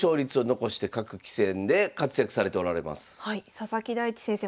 佐々木大地先生